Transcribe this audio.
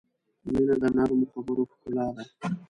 • مینه د نرمو خبرو ښکلا ده.